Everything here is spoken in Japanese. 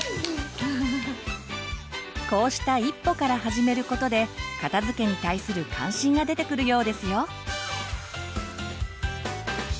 こうした一歩から始めることで片づけに対する関心が出てくるようですよ。